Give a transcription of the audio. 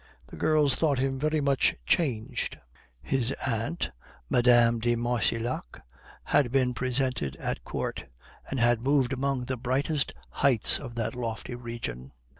The girls thought him very much changed. His aunt, Mme. de Marcillac, had been presented at court, and had moved among the brightest heights of that lofty region.